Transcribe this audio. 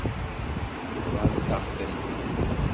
Bḍant-aɣ-tent-id.